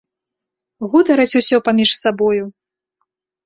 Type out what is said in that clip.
Гутараць усе паміж сабою.